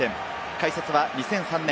解説は２００３年